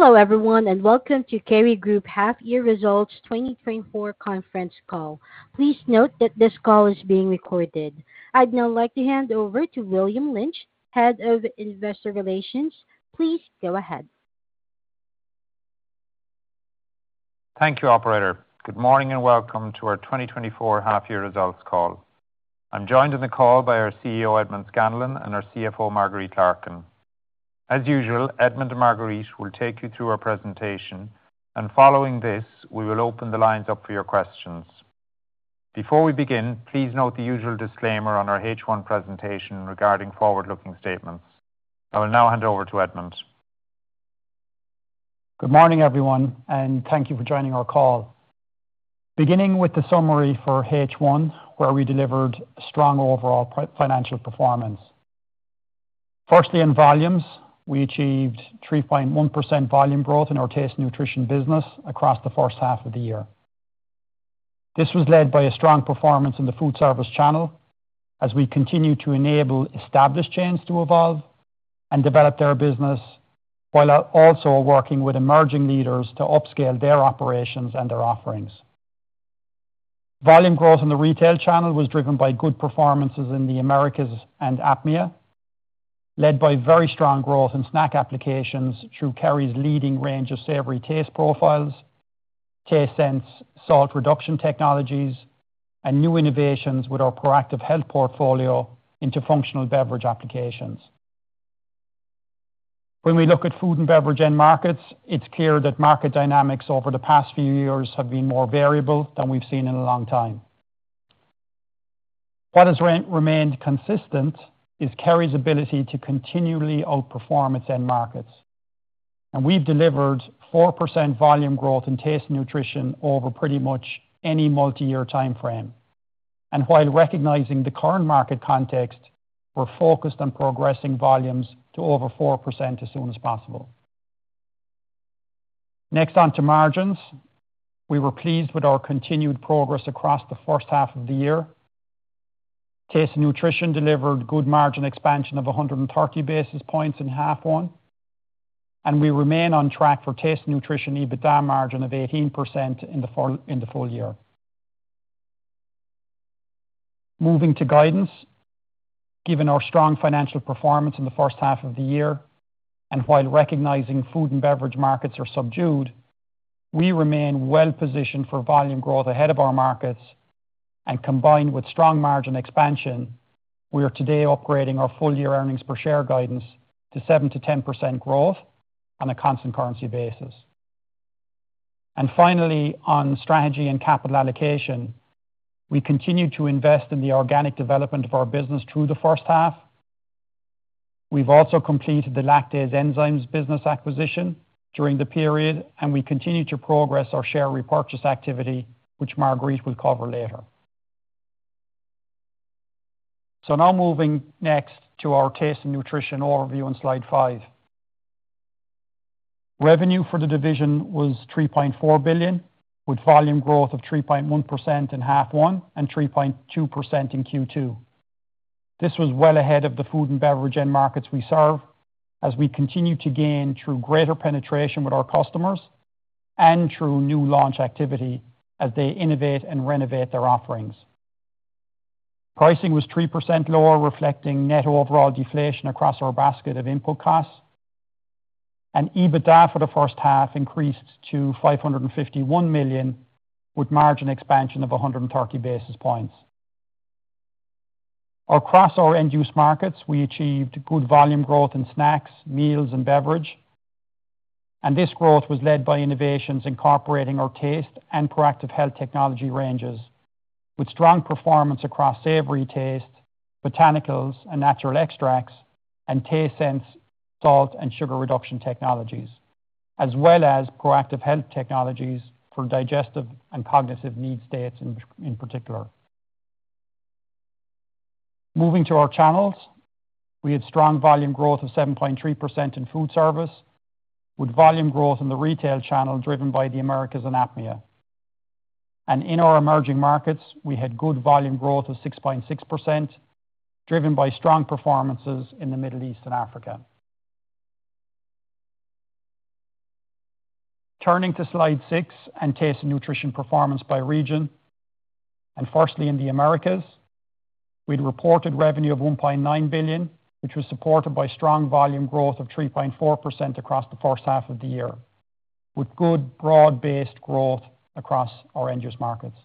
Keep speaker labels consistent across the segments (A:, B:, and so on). A: Hello, everyone, and welcome to Kerry Group half-year results 2024 conference call. Please note that this call is being recorded. I'd now like to hand over to William Lynch, Head of Investor Relations. Please go ahead.
B: Thank you, Operator. Good morning and welcome to our 2024 half-year results call. I'm joined in the call by our CEO, Edmond Scanlon, and our CFO, Marguerite Larkin. As usual, Edmond and Marguerite will take you through our presentation, and following this, we will open the lines up for your questions. Before we begin, please note the usual disclaimer on our H1 presentation regarding forward-looking statements. I will now hand over to Edmond.
C: Good morning, everyone, and thank you for joining our call. Beginning with the summary for H1, where we delivered strong overall financial performance. Firstly, in volumes, we achieved 3.1% volume growth in our Taste & Nutrition business across the first half of the year. This was led by a strong performance in the food service channel, as we continue to enable established chains to evolve and develop their business, while also working with emerging leaders to upscale their operations and their offerings. Volume growth in the retail channel was driven by good performances in the Americas and APMEA, led by very strong growth in snack applications through Kerry's leading range of savory taste profiles, Tastesense salt reduction technologies, and new innovations with our ProActive Health portfolio into functional beverage applications. When we look at food and beverage end markets, it's clear that market dynamics over the past few years have been more variable than we've seen in a long time. What has remained consistent is Kerry's ability to continually outperform its end markets, and we've delivered 4% volume growth in Taste & Nutrition over pretty much any multi-year time frame. While recognizing the current market context, we're focused on progressing volumes to over 4% as soon as possible. Next, on to margins. We were pleased with our continued progress across the first half of the year. Taste & Nutrition delivered good margin expansion of 130 basis points in half one, and we remain on track for Taste & Nutrition EBITDA margin of 18% in the full year. Moving to guidance, given our strong financial performance in the first half of the year, and while recognizing food and beverage markets are subdued, we remain well-positioned for volume growth ahead of our markets, and combined with strong margin expansion, we are today upgrading our full-year earnings per share guidance to 7%-10% growth on a constant currency basis. Finally, on strategy and capital allocation, we continue to invest in the organic development of our business through the first half. We've also completed the lactase enzymes business acquisition during the period, and we continue to progress our share repurchase activity, which Marguerite will cover later. Now moving next to our Taste & Nutrition overview on slide five. Revenue for the division was 3.4 billion, with volume growth of 3.1% in half one and 3.2% in Q2. This was well ahead of the food and beverage end markets we serve, as we continue to gain through greater penetration with our customers and through new launch activity as they innovate and renovate their offerings. Pricing was 3% lower, reflecting net overall deflation across our basket of input costs, and EBITDA for the first half increased to 551 million, with margin expansion of 130 basis points. Across our end-use markets, we achieved good volume growth in snacks, meals, and beverage, and this growth was led by innovations incorporating our taste and ProActive Health technology ranges, with strong performance across savory taste, botanicals, and natural extracts, and Tastesense salt and sugar reduction technologies, as well as ProActive Health technologies for digestive and cognitive need states in particular. Moving to our channels, we had strong volume growth of 7.3% in food service, with volume growth in the retail channel driven by the Americas and APMEA. In our emerging markets, we had good volume growth of 6.6%, driven by strong performances in the Middle East and Africa. Turning to slide six and Taste & Nutrition performance by region, and firstly in the Americas, we reported revenue of 1.9 billion, which was supported by strong volume growth of 3.4% across the first half of the year, with good broad-based growth across our end-use markets.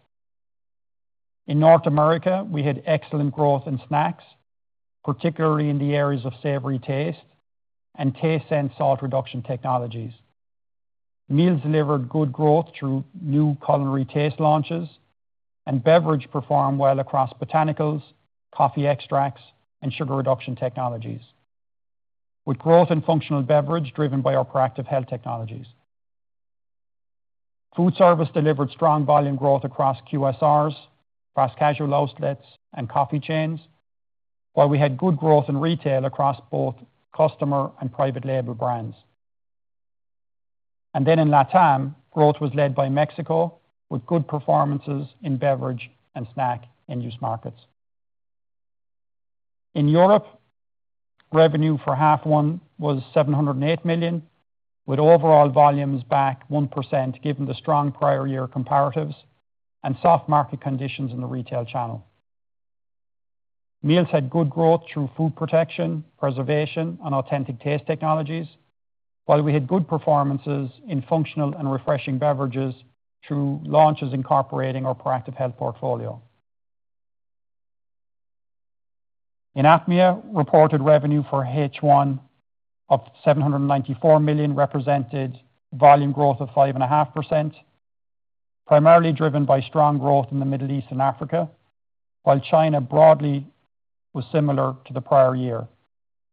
C: In North America, we had excellent growth in snacks, particularly in the areas of savory taste and Tastesense salt reduction technologies. Meals delivered good growth through new culinary taste launches, and beverage performed well across Botanicals, coffee extracts, and sugar reduction technologies, with growth in functional beverage driven by our ProActive Health technologies. Food service delivered strong volume growth across QSRs, fast-casual outlets, and coffee chains, while we had good growth in retail across both customer and private label brands. And then in LatAm, growth was led by Mexico, with good performances in beverage and snack end-use markets. In Europe, revenue for half one was 708 million, with overall volumes back 1% given the strong prior year comparatives and soft market conditions in the retail channel. Meals had good growth through food protection, preservation, and authentic taste technologies, while we had good performances in functional and refreshing beverages through launches incorporating our ProActive Health portfolio. In APMEA, reported revenue for H1 of 794 million represented volume growth of 5.5%, primarily driven by strong growth in the Middle East and Africa, while China broadly was similar to the prior year,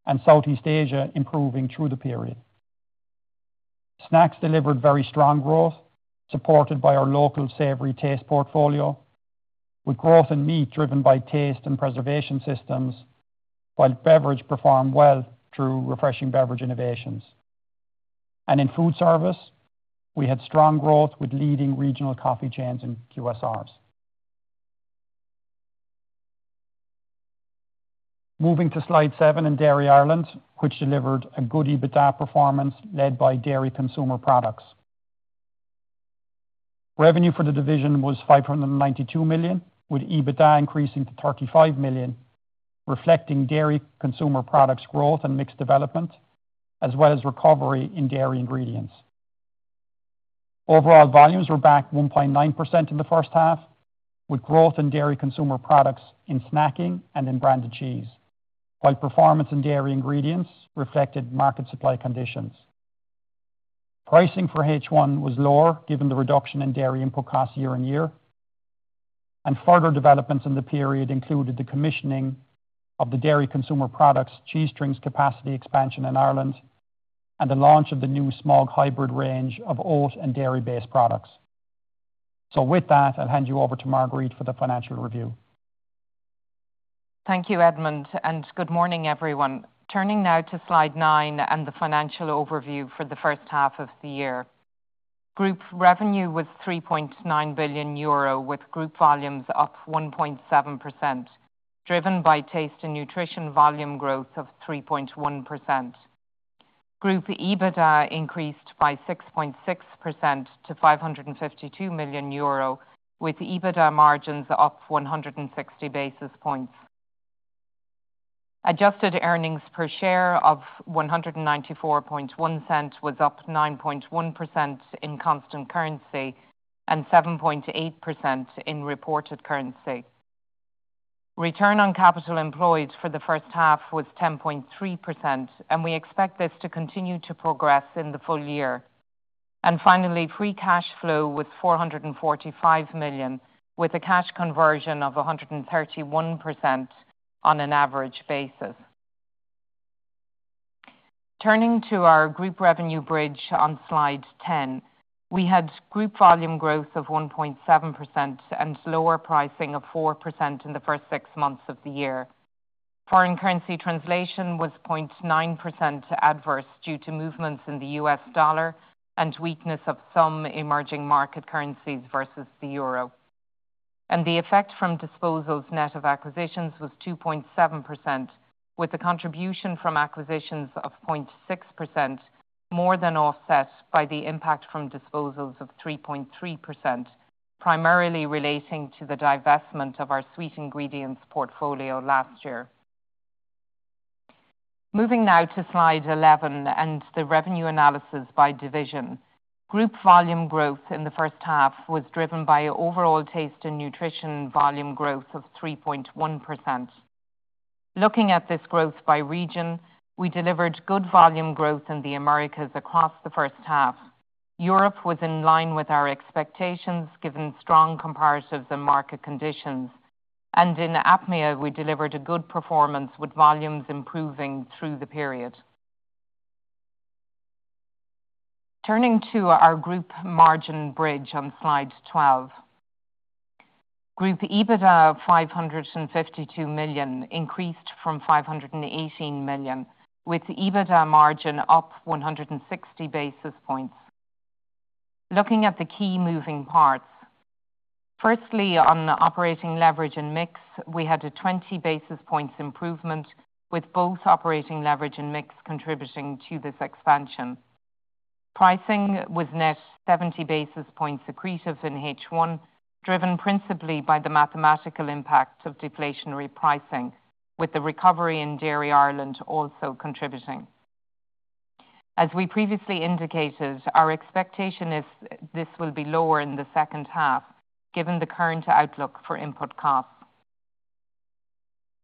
C: and Southeast Asia improving through the period. Snacks delivered very strong growth, supported by our local savory taste portfolio, with growth in meat driven by taste and preservation systems, while beverage performed well through refreshing beverage innovations. In food service, we had strong growth with leading regional coffee chains and QSRs. Moving to slide seven in Dairy Ireland, which delivered a good EBITDA performance led by Dairy Consumer Products. Revenue for the division was 592 million, with EBITDA increasing to 35 million, reflecting Dairy Consumer Products growth and mixed development, as well as recovery in Dairy Ingredients. Overall volumes were back 1.9% in the first half, with growth in Dairy Consumer Products in snacking and in branded cheese, while performance in Dairy Ingredients reflected market supply conditions. Pricing for H1 was lower given the reduction in dairy input costs year-on-year, and further developments in the period included the commissioning of the Dairy Consumer Products Cheestrings capacity expansion in Ireland, and the launch of the new Smug hybrid range of oat and dairy-based products. So with that, I'll hand you over to Marguerite for the financial review.
D: Thank you, Edmond, and good morning, everyone. Turning now to slide nine and the financial overview for the first half of the year. Group revenue was 3.9 billion euro, with group volumes up 1.7%, driven by Taste & Nutrition volume growth of 3.1%. Group EBITDA increased by 6.6% to 552 million euro, with EBITDA margins up 160 basis points. Adjusted earnings per share of 194.1% was up 9.1% in constant currency and 7.8% in reported currency. Return on capital employed for the first half was 10.3%, and we expect this to continue to progress in the full year. And finally, free cash flow was 445 million, with a cash conversion of 131% on an average basis. Turning to our group revenue bridge on slide 10, we had group volume growth of 1.7% and lower pricing of 4% in the first six months of the year. Foreign currency translation was 0.9% adverse due to movements in the U.S. dollar and weakness of some emerging market currencies versus the euro. The effect from disposals net of acquisitions was 2.7%, with the contribution from acquisitions of 0.6%, more than offset by the impact from disposals of 3.3%, primarily relating to the divestment of our Sweet Ingredients portfolio last year. Moving now to slide 11 and the revenue analysis by division. Group volume growth in the first half was driven by overall Taste & Nutrition volume growth of 3.1%. Looking at this growth by region, we delivered good volume growth in the Americas across the first half. Europe was in line with our expectations given strong comparatives and market conditions, and in APMEA, we delivered a good performance with volumes improving through the period. Turning to our group margin bridge on slide 12. Group EBITDA of 552 million increased from 518 million, with EBITDA margin up 160 basis points. Looking at the key moving parts. Firstly, on operating leverage and mix, we had a 20 basis points improvement, with both operating leverage and mix contributing to this expansion. Pricing was net 70 basis points accretive in H1, driven principally by the mathematical impact of deflationary pricing, with the recovery in Dairy Ireland also contributing. As we previously indicated, our expectation is this will be lower in the second half, given the current outlook for input costs.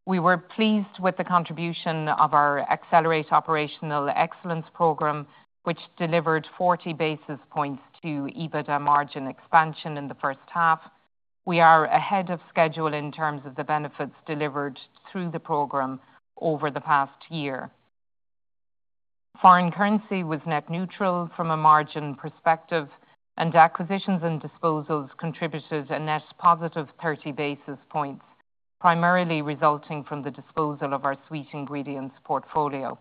D: We were pleased with the contribution of our Accelerate Operational Excellence Program, which delivered 40 basis points to EBITDA margin expansion in the first half. We are ahead of schedule in terms of the benefits delivered through the program over the past year. Foreign currency was net neutral from a margin perspective, and acquisitions and disposals contributed a net positive 30 basis points, primarily resulting from the disposal of our Sweet Ingredients portfolio.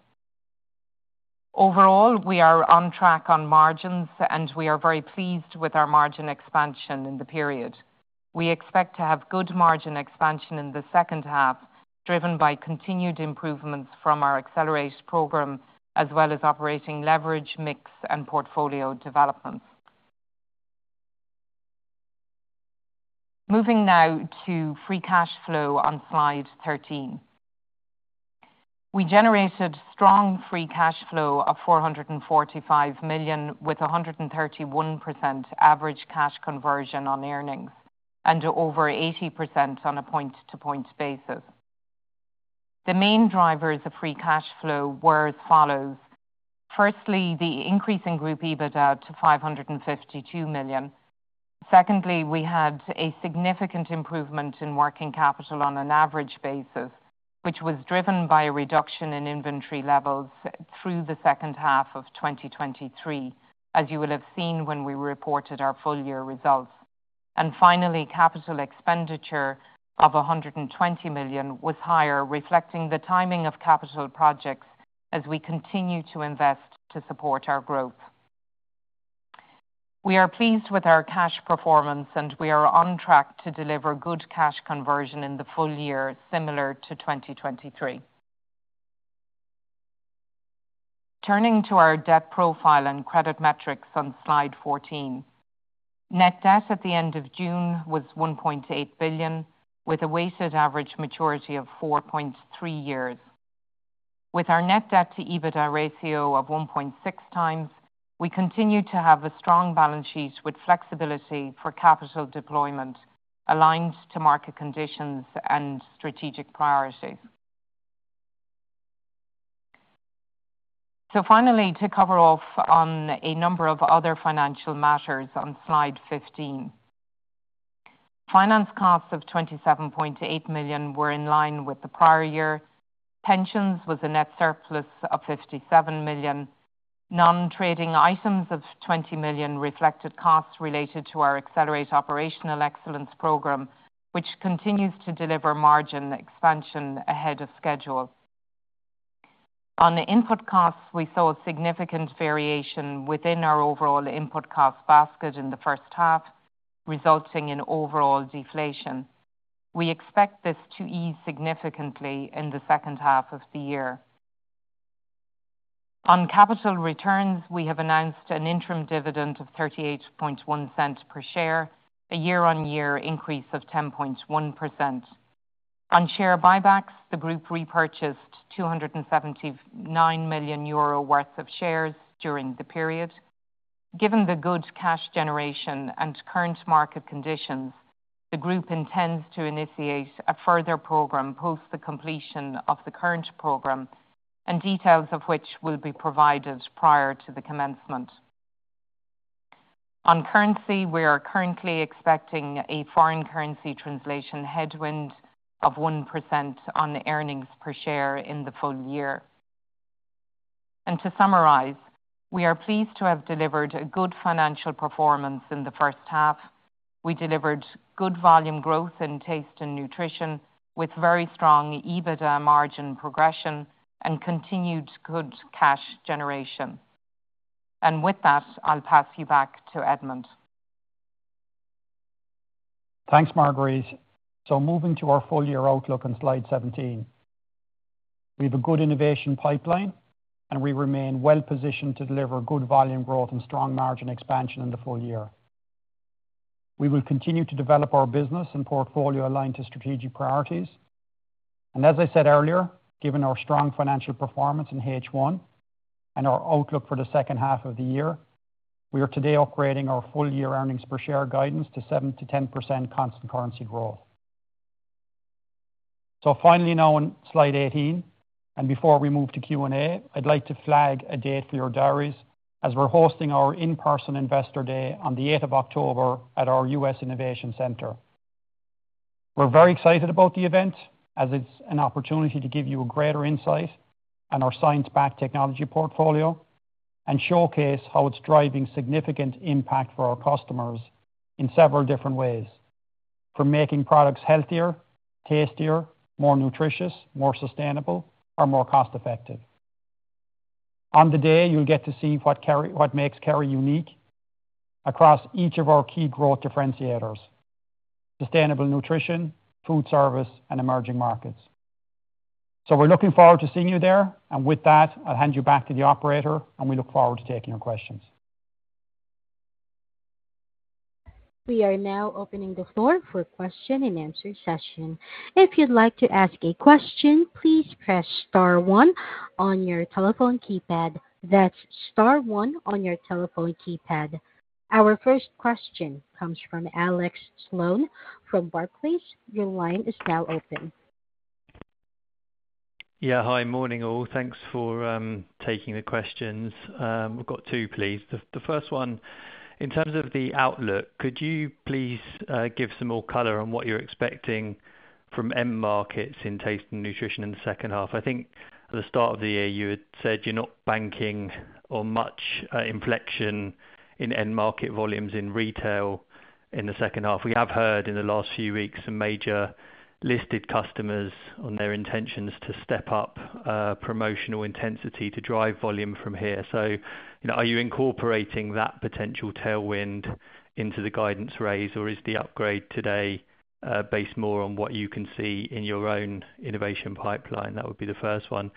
D: Overall, we are on track on margins, and we are very pleased with our margin expansion in the period. We expect to have good margin expansion in the second half, driven by continued improvements from our Accelerate Program, as well as operating leverage, mix, and portfolio developments. Moving now to free cash flow on slide 13. We generated strong free cash flow of 445 million, with 131% average cash conversion on earnings and over 80% on a point-to-point basis. The main drivers of free cash flow were as follows. Firstly, the increase in group EBITDA to 552 million. Secondly, we had a significant improvement in working capital on an average basis, which was driven by a reduction in inventory levels through the second half of 2023, as you will have seen when we reported our full-year results. And finally, capital expenditure of 120 million was higher, reflecting the timing of capital projects as we continue to invest to support our growth. We are pleased with our cash performance, and we are on track to deliver good cash conversion in the full year, similar to 2023. Turning to our debt profile and credit metrics on slide 14. Net debt at the end of June was 1.8 billion, with a weighted average maturity of 4.3 years. With our net debt to EBITDA ratio of 1.6x, we continue to have a strong balance sheet with flexibility for capital deployment, aligned to market conditions and strategic priorities. Finally, to cover off on a number of other financial matters on slide 15. Finance costs of 27.8 million were in line with the prior year. Pensions was a net surplus of 57 million. Non-trading items of 20 million reflected costs related to our Accelerate Operational Excellence Program, which continues to deliver margin expansion ahead of schedule. On input costs, we saw a significant variation within our overall input cost basket in the first half, resulting in overall deflation. We expect this to ease significantly in the second half of the year. On capital returns, we have announced an interim dividend of 38.1% per share, a year-on-year increase of 10.1%. On share buybacks, the group repurchased 279 million euro worth of shares during the period. Given the good cash generation and current market conditions, the group intends to initiate a further program post the completion of the current program, and details of which will be provided prior to the commencement. On currency, we are currently expecting a foreign currency translation headwind of 1% on earnings per share in the full year. To summarize, we are pleased to have delivered a good financial performance in the first half. We delivered good volume growth in Taste & Nutrition, with very strong EBITDA margin progression and continued good cash generation. With that, I'll pass you back to Edmond.
C: Thanks, Marguerite. Moving to our full-year outlook on slide 17. We have a good innovation pipeline, and we remain well-positioned to deliver good volume growth and strong margin expansion in the full year. We will continue to develop our business and portfolio aligned to strategic priorities. As I said earlier, given our strong financial performance in H1 and our outlook for the second half of the year, we are today upgrading our full-year earnings per share guidance to 7%-10% constant currency growth. Finally now on slide 18, and before we move to Q&A, I'd like to flag a date for your diaries as we're hosting our in-person Investor Day on the 8th of October at our U.S. Innovation Center. We're very excited about the event as it's an opportunity to give you a greater insight on our science-backed technology portfolio and showcase how it's driving significant impact for our customers in several different ways, from making products healthier, tastier, more nutritious, more sustainable, or more cost-effective. On the day, you'll get to see what makes Kerry unique across each of our key growth differentiators: sustainable nutrition, food service, and emerging markets. So we're looking forward to seeing you there, and with that, I'll hand you back to the operator, and we look forward to taking your questions.
A: We are now opening the floor for a question-and-answer session. If you'd like to ask a question, please press star one on your telephone keypad. That's star one on your telephone keypad. Our first question comes from Alex Sloane from Barclays. Your line is now open.
E: Yeah, hi, morning all. Thanks for taking the questions. We've got two, please. The first one, in terms of the outlook, could you please give some more color on what you're expecting from end markets in Taste & Nutrition in the second half? I think at the start of the year, you had said you're not banking on much inflection in end market volumes in retail in the second half. We have heard in the last few weeks some major listed customers on their intentions to step up promotional intensity to drive volume from here. So are you incorporating that potential tailwind into the guidance raise, or is the upgrade today based more on what you can see in your own innovation pipeline? That would be the first one.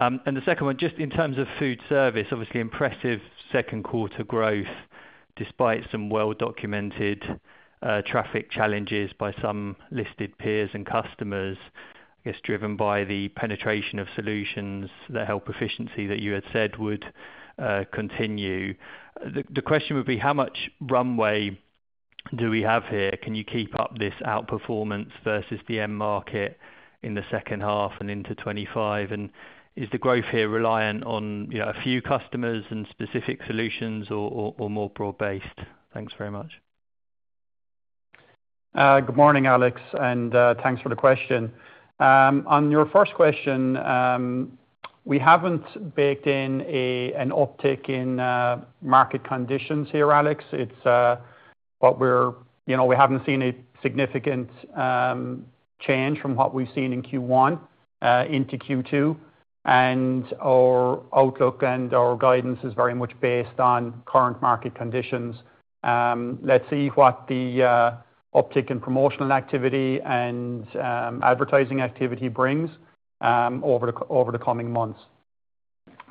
E: The second one, just in terms of food service, obviously impressive second quarter growth despite some well-documented traffic challenges by some listed peers and customers, I guess driven by the penetration of solutions that help efficiency that you had said would continue. The question would be, how much runway do we have here? Can you keep up this outperformance versus the end market in the second half and into 2025? And is the growth here reliant on a few customers and specific solutions or more broad-based? Thanks very much.
C: Good morning, Alex, and thanks for the question. On your first question, we haven't baked in an uptick in market conditions here, Alex. But we haven't seen a significant change from what we've seen in Q1 into Q2. And our outlook and our guidance is very much based on current market conditions. Let's see what the uptick in promotional activity and advertising activity brings over the coming months.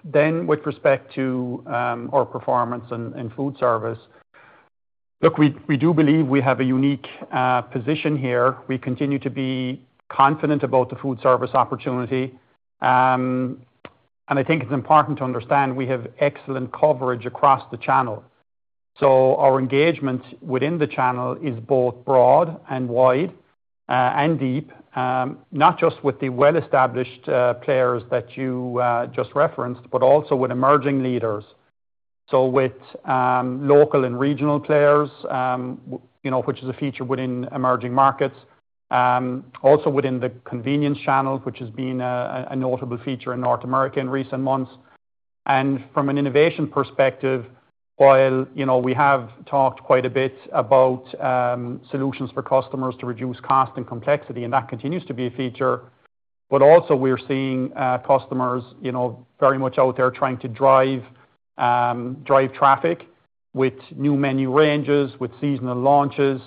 C: Then, with respect to our performance in food service, look, we do believe we have a unique position here. We continue to be confident about the food service opportunity. And I think it's important to understand we have excellent coverage across the channel. So our engagement within the channel is both broad and wide and deep, not just with the well-established players that you just referenced, but also with emerging leaders. So with local and regional players, which is a feature within emerging markets, also within the convenience channel, which has been a notable feature in North America in recent months. And from an innovation perspective, while we have talked quite a bit about solutions for customers to reduce cost and complexity, and that continues to be a feature, but also we're seeing customers very much out there trying to drive traffic with new menu ranges, with seasonal launches,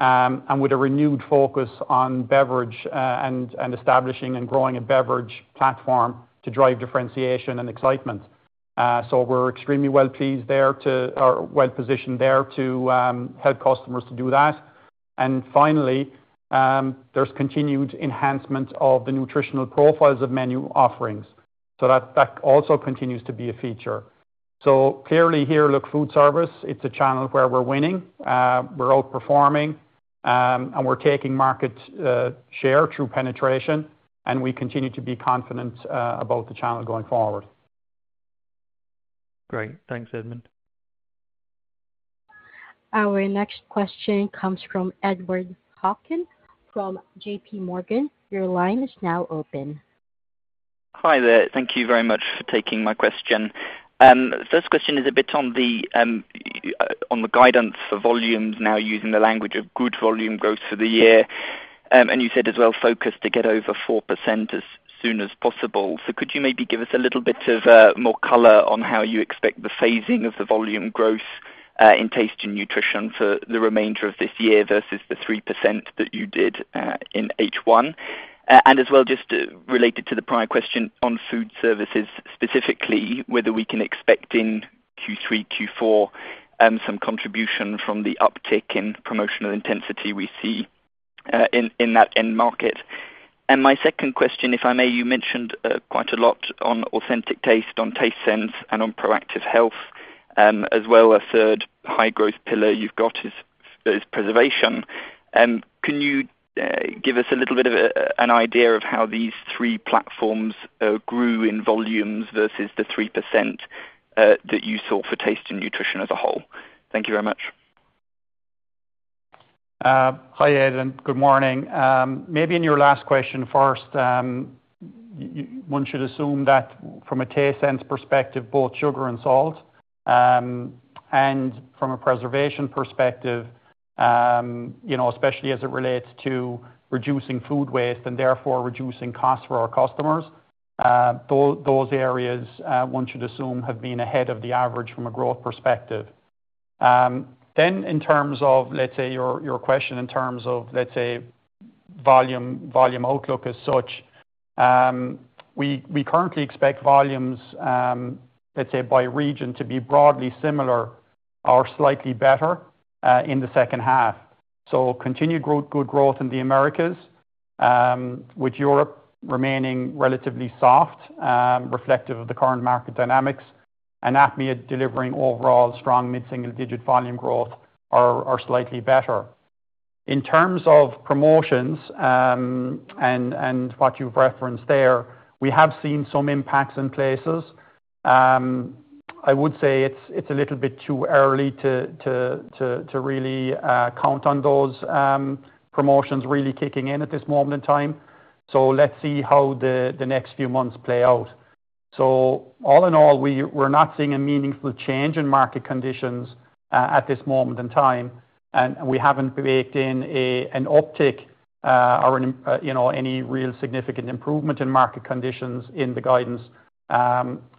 C: and with a renewed focus on beverage and establishing and growing a beverage platform to drive differentiation and excitement. So we're extremely well-positioned there to help customers to do that. And finally, there's continued enhancement of the nutritional profiles of menu offerings. So that also continues to be a feature. So clearly here, look, food service, it's a channel where we're winning. We're outperforming, and we're taking market share through penetration, and we continue to be confident about the channel going forward.
E: Great. Thanks, Edmond.
A: Our next question comes from Edward Hockin from J.P. Morgan. Your line is now open.
F: Hi there. Thank you very much for taking my question. First question is a bit on the guidance for volumes now using the language of good volume growth for the year. You said as well focus to get over 4% as soon as possible. So could you maybe give us a little bit of more color on how you expect the phasing of the volume growth in Taste & Nutrition for the remainder of this year versus the 3% that you did in H1? As well, just related to the prior question on food services specifically, whether we can expect in Q3, Q4 some contribution from the uptick in promotional intensity we see in that end market. My second question, if I may, you mentioned quite a lot on authentic taste, on Tastesense, and on ProActive Health, as well a third high-growth pillar you've got is preservation. Can you give us a little bit of an idea of how these three platforms grew in volumes versus the 3% that you saw for Taste & Nutrition as a whole? Thank you very much.
C: Hi Ed, and good morning. Maybe in your last question first, one should assume that from a Tastesense perspective, both sugar and salt, and from a preservation perspective, especially as it relates to reducing food waste and therefore reducing costs for our customers, those areas one should assume have been ahead of the average from a growth perspective. Then in terms of, let's say, your question in terms of, let's say, volume outlook as such, we currently expect volumes, let's say, by region to be broadly similar or slightly better in the second half. So continued good growth in the Americas, with Europe remaining relatively soft, reflective of the current market dynamics, and APMEA delivering overall strong mid-single-digit volume growth or slightly better. In terms of promotions and what you've referenced there, we have seen some impacts in places. I would say it's a little bit too early to really count on those promotions really kicking in at this moment in time. So let's see how the next few months play out. So all in all, we're not seeing a meaningful change in market conditions at this moment in time, and we haven't baked in an uptick or any real significant improvement in market conditions in the guidance.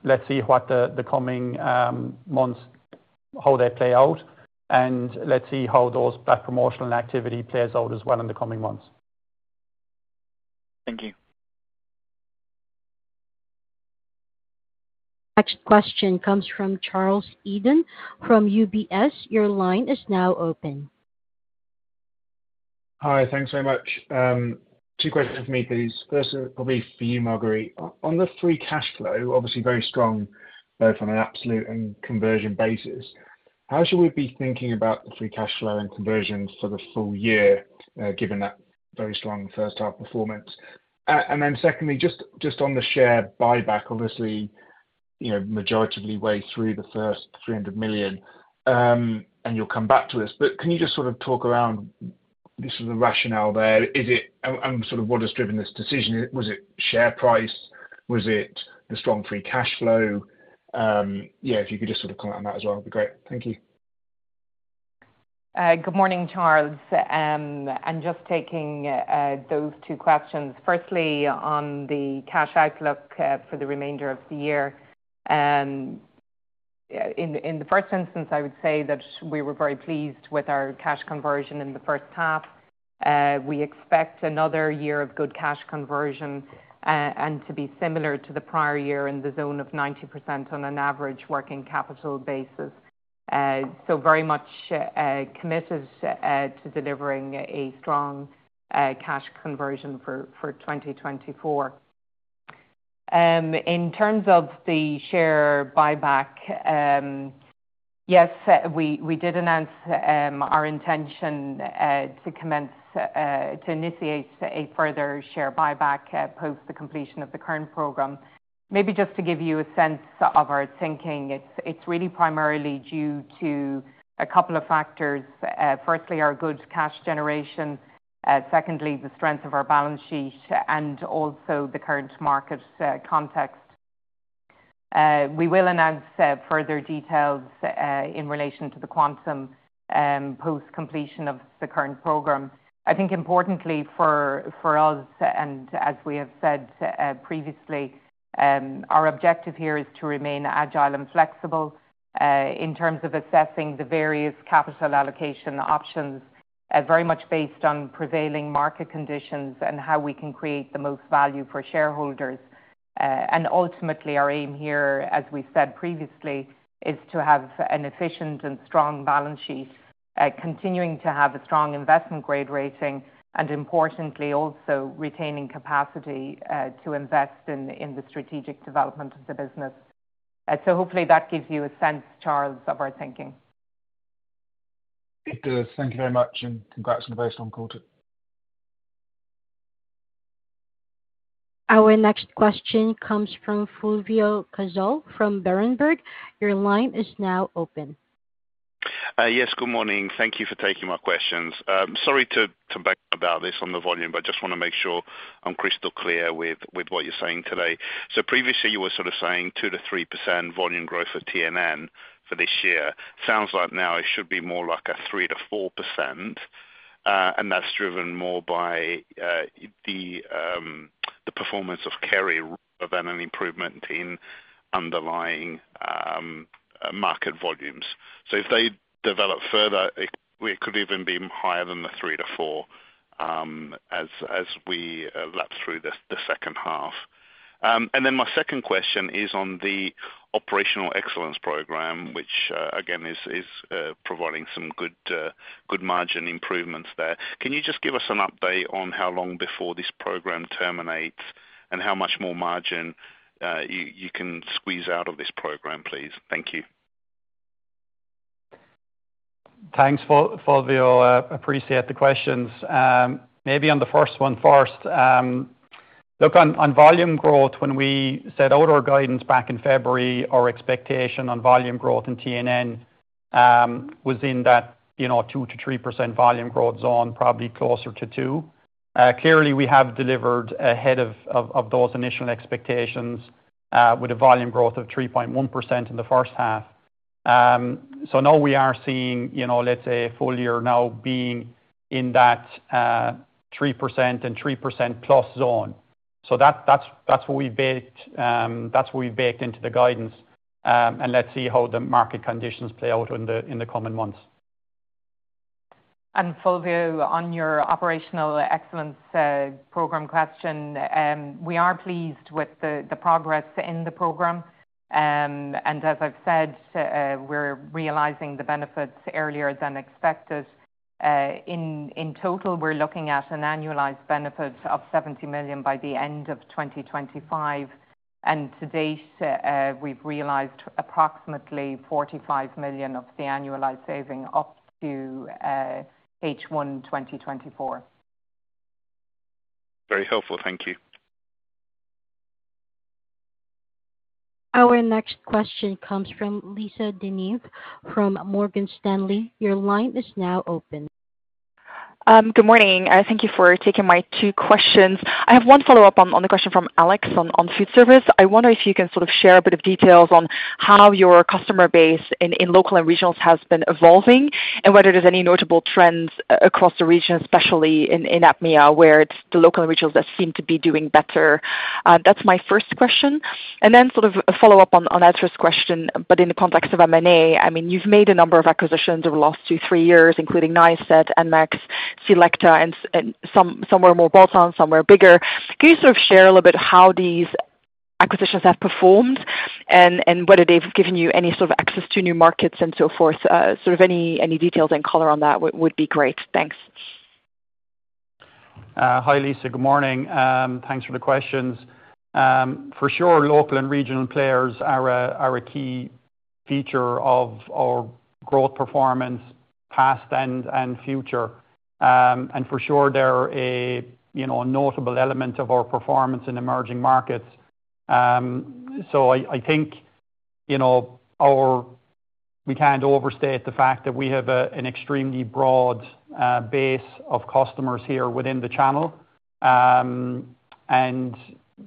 C: Let's see what the coming months, how they play out, and let's see how that promotional activity plays out as well in the coming months.
F: Thank you.
A: Next question comes from Charles Eden from UBS. Your line is now open.
G: Hi, thanks very much. Two questions for me, please. First, probably for you, Marguerite. On the free cash flow, obviously very strong both on an absolute and conversion basis. How should we be thinking about the free cash flow and conversion for the full year, given that very strong first-half performance? And then secondly, just on the share buyback, obviously, majority of the way through the first 300 million, and you'll come back to us. But can you just sort of talk around this sort of rationale there? And sort of what has driven this decision? Was it share price? Was it the strong free cash flow? Yeah, if you could just sort of comment on that as well, it'd be great. Thank you.
D: Good morning, Charles. I'm just taking those two questions. Firstly, on the cash outlook for the remainder of the year, in the first instance, I would say that we were very pleased with our cash conversion in the first half. We expect another year of good cash conversion and to be similar to the prior year in the zone of 90% on an average working capital basis. So very much committed to delivering a strong cash conversion for 2024. In terms of the share buyback, yes, we did announce our intention to initiate a further share buyback post the completion of the current program. Maybe just to give you a sense of our thinking, it's really primarily due to a couple of factors. Firstly, our good cash generation. Secondly, the strength of our balance sheet and also the current market context. We will announce further details in relation to the quantum post-completion of the current program. I think importantly for us, and as we have said previously, our objective here is to remain agile and flexible in terms of assessing the various capital allocation options, very much based on prevailing market conditions and how we can create the most value for shareholders. And ultimately, our aim here, as we said previously, is to have an efficient and strong balance sheet, continuing to have a strong investment grade rating, and importantly, also retaining capacity to invest in the strategic development of the business. So hopefully that gives you a sense, Charles, of our thinking.
G: It does. Thank you very much, and congrats on the very strong quarter.
A: Our next question comes from Fulvio Cazzol from Berenberg. Your line is now open.
H: Yes, good morning. Thank you for taking my questions. Sorry to back up about this on the volume, but I just want to make sure I'm crystal clear with what you're saying today. So previously, you were sort of saying 2%-3% volume growth for T&N for this year. Sounds like now it should be more like a 3%-4%, and that's driven more by the performance of Kerry than an improvement in underlying market volumes. So if they develop further, it could even be higher than the 3%-4% as we lap through the second half. And then my second question is on the operational excellence program, which again is providing some good margin improvements there. Can you just give us an update on how long before this program terminates and how much more margin you can squeeze out of this program, please? Thank you.
C: Thanks, Fulvio. Appreciate the questions. Maybe on the first one first. Look, on volume growth, when we set out our guidance back in February, our expectation on volume growth in T&N was in that 2%-3% volume growth zone, probably closer to 2%. Clearly, we have delivered ahead of those initial expectations with a volume growth of 3.1% in the first half. So now we are seeing, let's say, a full year now being in that 3% and 3%+ zone. So that's what we baked into the guidance, and let's see how the market conditions play out in the coming months.
D: Fulvio, on your operational excellence program question, we are pleased with the progress in the program. And as I've said, we're realizing the benefits earlier than expected. In total, we're looking at an annualized benefit of 70 million by the end of 2025. And to date, we've realized approximately 45 million of the annualized saving up to H1 2024.
H: Very helpful. Thank you.
A: Our next question comes from Lisa De Neve from Morgan Stanley. Your line is now open.
I: Good morning. Thank you for taking my two questions. I have one follow-up on the question from Alex on food service. I wonder if you can sort of share a bit of details on how your customer base in local and regionals has been evolving and whether there's any notable trends across the region, especially in APMEA where it's the local and regionals that seem to be doing better? That's my first question. And then sort of a follow-up on Ed's first question, but in the context of M&A, I mean, you've made a number of acquisitions over the last two, three years, including Niacet, Enmex, c-LEcta, and somewhat more bolt-on, somewhat bigger. Can you sort of share a little bit how these acquisitions have performed and whether they've given you any sort of access to new markets and so forth? Sort of any details in color on that would be great? Thanks.
C: Hi Lisa, good morning. Thanks for the questions. For sure, local and regional players are a key feature of our growth performance past and future. For sure, they're a notable element of our performance in emerging markets. So I think we can't overstate the fact that we have an extremely broad base of customers here within the channel.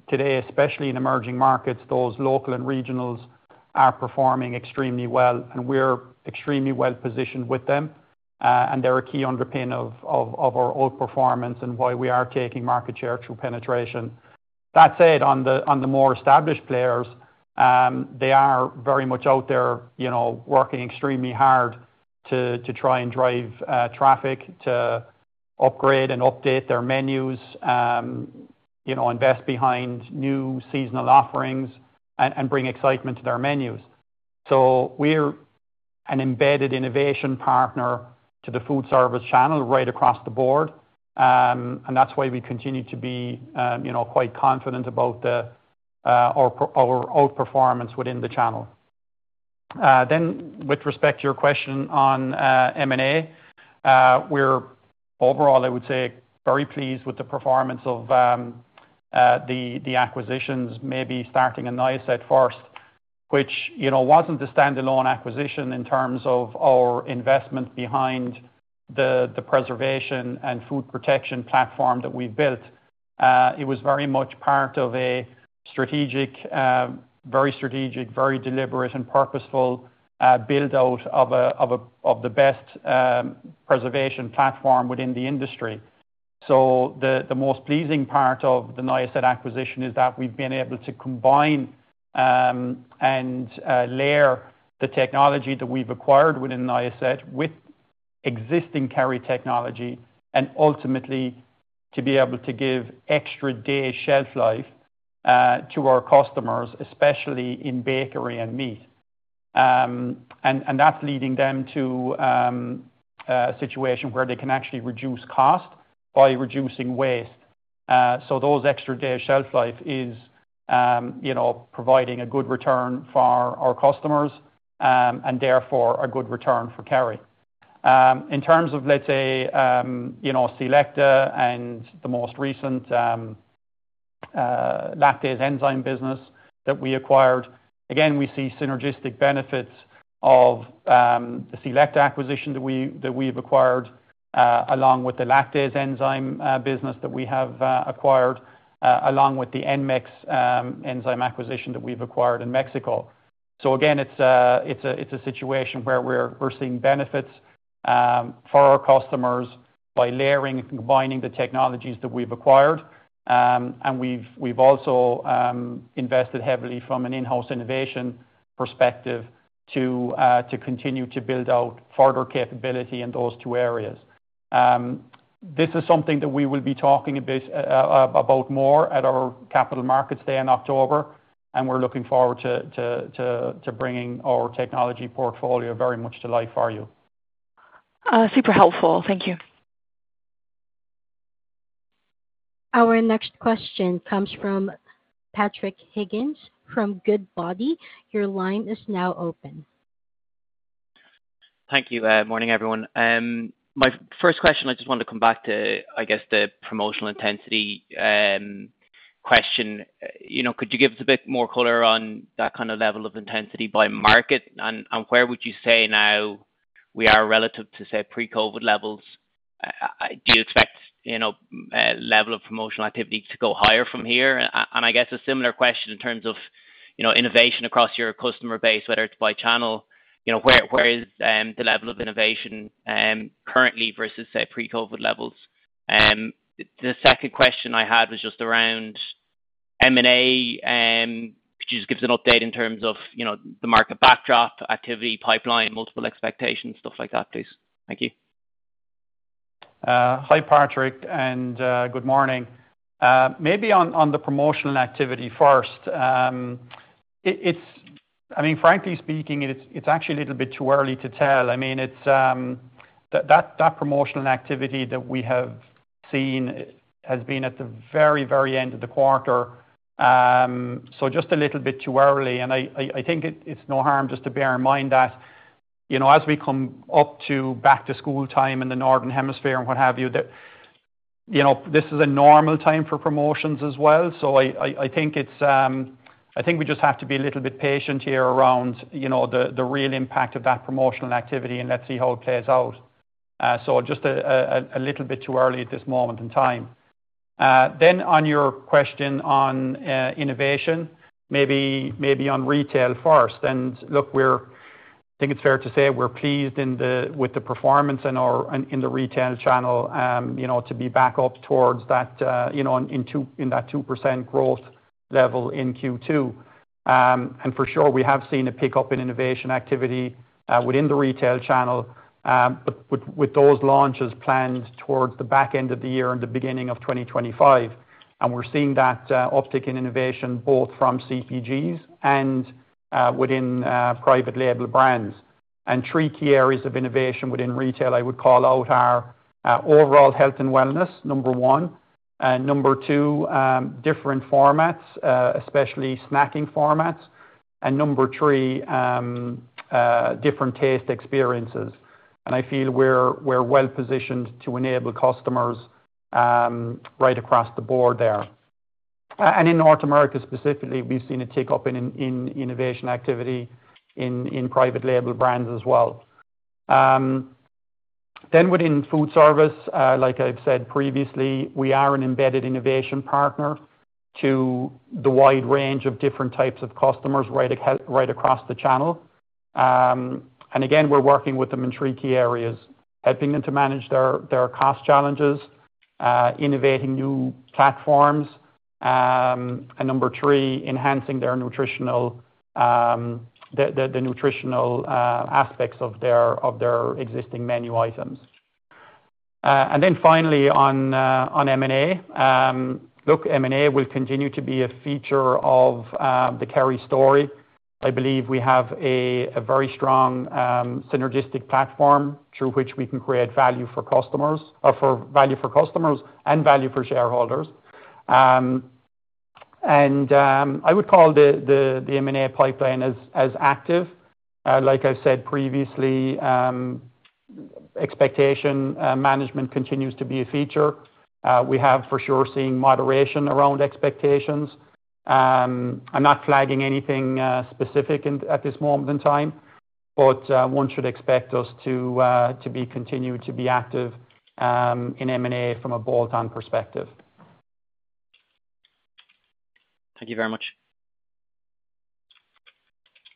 C: Today, especially in emerging markets, those local and regionals are performing extremely well, and we're extremely well-positioned with them. They're a key underpin of our overall performance and why we are taking market share through penetration. That said, on the more established players, they are very much out there working extremely hard to try and drive traffic, to upgrade and update their menus, invest behind new seasonal offerings, and bring excitement to their menus. We're an embedded innovation partner to the food service channel right across the board. And that's why we continue to be quite confident about our outperformance within the channel. Then, with respect to your question on M&A, we're overall, I would say, very pleased with the performance of the acquisitions, maybe starting with Niacet first, which wasn't a standalone acquisition in terms of our investment behind the preservation and food protection platform that we've built. It was very much part of a very strategic, very deliberate, and purposeful build-out of the best preservation platform within the industry. So the most pleasing part of the Niacet acquisition is that we've been able to combine and layer the technology that we've acquired within Niacet with existing Kerry technology and ultimately to be able to give extra day shelf life to our customers, especially in bakery and meat. And that's leading them to a situation where they can actually reduce cost by reducing waste. So those extra day shelf life is providing a good return for our customers and therefore a good return for Kerry. In terms of, let's say, c-LEcta and the most recent lactase enzyme business that we acquired, again, we see synergistic benefits of the c-LEcta acquisition that we've acquired along with the lactase enzyme business that we have acquired, along with the Enmex enzyme acquisition that we've acquired in Mexico. So again, it's a situation where we're seeing benefits for our customers by layering and combining the technologies that we've acquired. And we've also invested heavily from an in-house innovation perspective to continue to build out further capability in those two areas. This is something that we will be talking about more at our capital markets day in October, and we're looking forward to bringing our technology portfolio very much to life for you.
I: Super helpful. Thank you.
A: Our next question comes from Patrick Higgins from Goodbody. Your line is now open.
J: Thank you. Morning, everyone. My first question, I just want to come back to, I guess, the promotional intensity question. Could you give us a bit more color on that kind of level of intensity by market? And where would you say now we are relative to, say, pre-COVID levels? Do you expect the level of promotional activity to go higher from here? And I guess a similar question in terms of innovation across your customer base, whether it's by channel, where is the level of innovation currently versus, say, pre-COVID levels? The second question I had was just around M&A. Could you just give us an update in terms of the market backdrop, activity, pipeline, multiple expectations, stuff like that, please? Thank you.
C: Hi, Patrick, and good morning. Maybe on the promotional activity first, I mean, frankly speaking, it's actually a little bit too early to tell. I mean, that promotional activity that we have seen has been at the very, very end of the quarter. Just a little bit too early. I think it's no harm just to bear in mind that as we come up to Back-to-School time in the northern hemisphere and what have you, this is a normal time for promotions as well. I think we just have to be a little bit patient here around the real impact of that promotional activity, and let's see how it plays out. Just a little bit too early at this moment in time. On your question on innovation, maybe on retail first. Look, I think it's fair to say we're pleased with the performance in the retail channel to be back up towards that in that 2% growth level in Q2. For sure, we have seen a pickup in innovation activity within the retail channel with those launches planned towards the back end of the year and the beginning of 2025. We're seeing that uptick in innovation both from CPGs and within private label brands. Three key areas of innovation within retail I would call out: our overall health and wellness, number one. Number two, different formats, especially snacking formats. Number three, different taste experiences. I feel we're well-positioned to enable customers right across the board there. In North America specifically, we've seen a tick-up in innovation activity in private label brands as well. Then within food service, like I've said previously, we are an embedded innovation partner to the wide range of different types of customers right across the channel. And again, we're working with them in three key areas, helping them to manage their cost challenges, innovating new platforms, and number three, enhancing the nutritional aspects of their existing menu items. And then finally, on M&A, look, M&A will continue to be a feature of the Kerry story. I believe we have a very strong synergistic platform through which we can create value for customers or for value for customers and value for shareholders. And I would call the M&A pipeline as active. Like I said previously, expectation management continues to be a feature. We have for sure seen moderation around expectations. I'm not flagging anything specific at this moment in time, but one should expect us to continue to be active in M&A from a bolt-on perspective.
J: Thank you very much.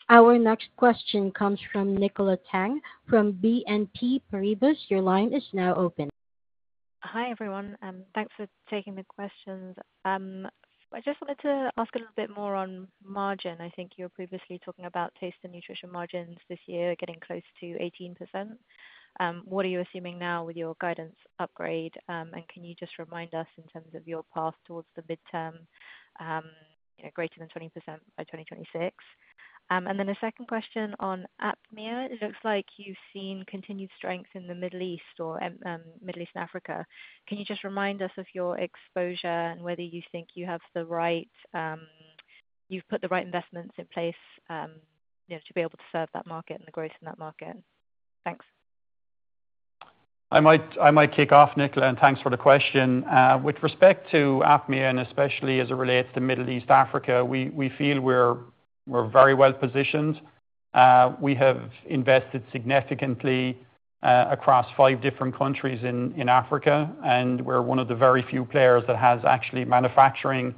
A: Our next question comes from Nicola Tang from BNP Paribas. Your line is now open.
K: Hi everyone. Thanks for taking the questions. I just wanted to ask a little bit more on margin. I think you were previously talking about Taste & Nutrition margins this year getting close to 18%. What are you assuming now with your guidance upgrade? And can you just remind us in terms of your path towards the midterm, greater than 20% by 2026? And then a second question on APMEA. It looks like you've seen continued strength in the Middle East or Middle East and Africa. Can you just remind us of your exposure and whether you think you have the right, you've put the right investments in place to be able to serve that market and the growth in that market? Thanks.
C: I might kick off, Nicola, and thanks for the question. With respect to APMEA and especially as it relates to Middle East, Africa, we feel we're very well-positioned. We have invested significantly across five different countries in Africa, and we're one of the very few players that has actually manufacturing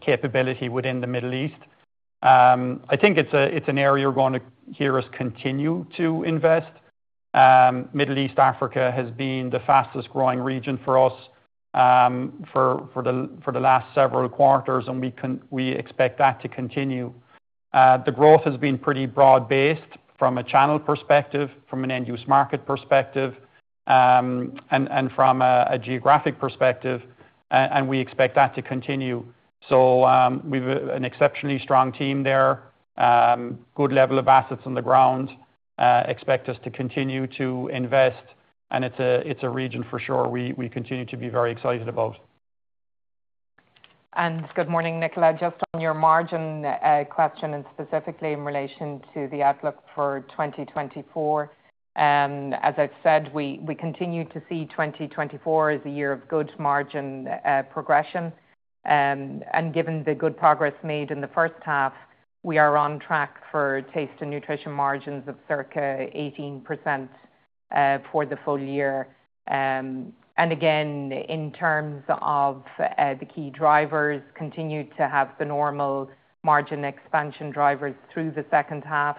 C: capability within the Middle East. I think it's an area we're going to hear us continue to invest. Middle East, Africa has been the fastest-growing region for us for the last several quarters, and we expect that to continue. The growth has been pretty broad-based from a channel perspective, from an end-use market perspective, and from a geographic perspective, and we expect that to continue. So we have an exceptionally strong team there, good level of assets on the ground, expect us to continue to invest, and it's a region for sure we continue to be very excited about.
D: Good morning, Nicola. Just on your margin question and specifically in relation to the outlook for 2024, as I've said, we continue to see 2024 as a year of good margin progression. Given the good progress made in the first half, we are on track for Taste & Nutrition margins of circa 18% for the full year. Again, in terms of the key drivers, continue to have the normal margin expansion drivers through the second half,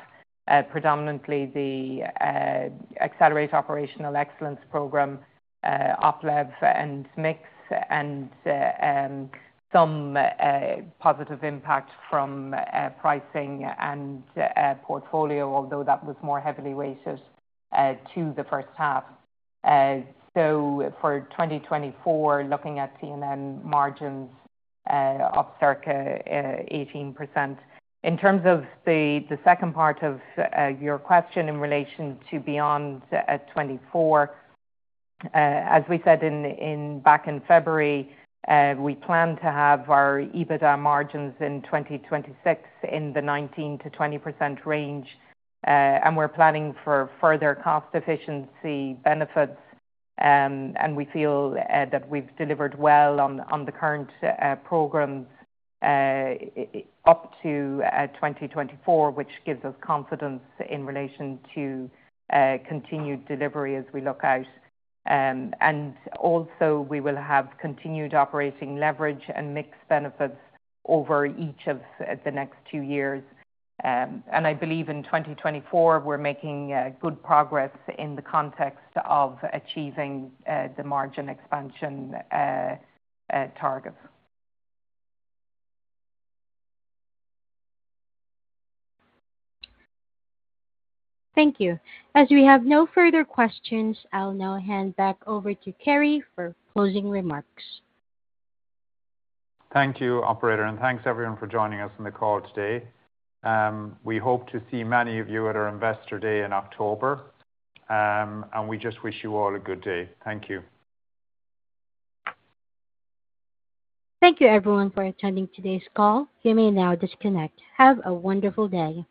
D: predominantly the Accelerate Operational Excellence Program, Op Lev, and mix, and some positive impact from pricing and portfolio, although that was more heavily weighted to the first half. So for 2024, looking at T&M margins of circa 18%. In terms of the second part of your question in relation to beyond 2024, as we said back in February, we plan to have our EBITDA margins in 2026 in the 19%-20% range, and we're planning for further cost-efficiency benefits. And we feel that we've delivered well on the current programs up to 2024, which gives us confidence in relation to continued delivery as we look out. And also, we will have continued operating leverage and mixed benefits over each of the next two years. And I believe in 2024, we're making good progress in the context of achieving the margin expansion targets.
A: Thank you. As we have no further questions, I'll now hand back over to Kerry for closing remarks. Thank you, Operator, and thanks everyone for joining us in the call today. We hope to see many of you at our Investor Day in October, and we just wish you all a good day. Thank you. Thank you, everyone, for attending today's call. You may now disconnect. Have a wonderful day.